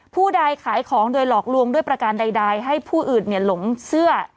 ผู้ใดขายของโดยหลอกลวงด้วยประการใดให้ผู้อื่นหลงเสื้อ